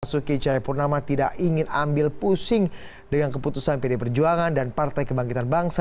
basuki cahayapurnama tidak ingin ambil pusing dengan keputusan pd perjuangan dan partai kebangkitan bangsa